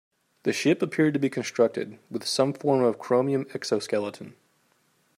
The ship appeared to be constructed with some form of chromium exoskeleton.